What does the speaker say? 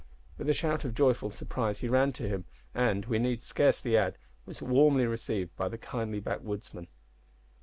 With a shout of joyful surprise he ran to him, and, we need scarcely add, was warmly received by the kindly backwoodsman.